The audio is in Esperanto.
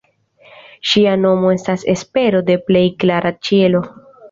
Ŝia nomo estas espero de plej klara ĉielo.